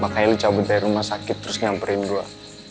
makanya lo cabut dari rumah sakit terus nyamperin gue